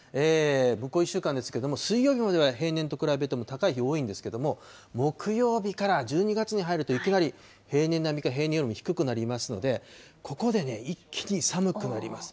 向こう１週間ですけれども、水曜日までは平年と比べても高い日多いんですけれども、木曜日から１２月に入るといきなり、平年並みか平年より低くなりますので、ここでね、一気に寒くなります。